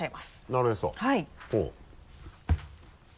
なるへそ。